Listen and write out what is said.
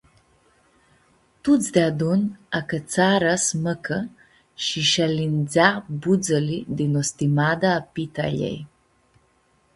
Tuts deadun acãtsarã s-mãcã shi sh-alindzea budzãli di nostimada a pitãljei.